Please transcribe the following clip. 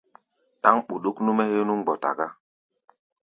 Ɗáŋ ɓuɗuk nú-mɛ́ héé nú mgbɔta gá.